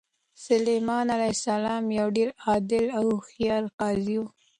سلیمان علیه السلام یو ډېر عادل او هوښیار قاضي و.